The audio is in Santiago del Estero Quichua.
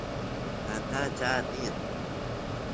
tanta chaa tiyan